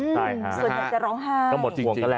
ส่วนใหญ่จะร้องไห้ก็หมดห่วงนั่นแหละ